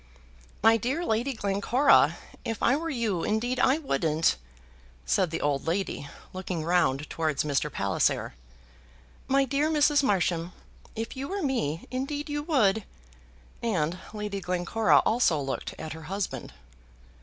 "My dear Lady Glencora, if I were you, indeed I wouldn't," said the old lady, looking round towards Mr. Palliser. "My dear Mrs. Marsham, if you were me, indeed you would," and Lady Glencora also looked at her husband.